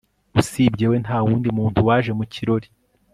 usibye we, nta wundi muntu waje mu kirori